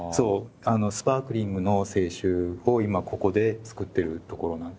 スパークリングの清酒を今ここで造ってるところなんです。